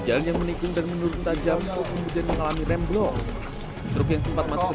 jalan yang menikmati dan menurut tajam kemudian mengalami remblok truk yang sempat masuk ke